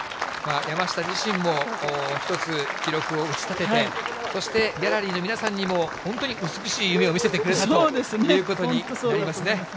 山下自身も、一つ記録を打ち立てて、そしてギャラリーの皆さんにも、本当に美しい夢を見せてくれたということになりますね。